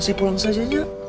saya pulang saja ya